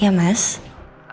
iya makasih ya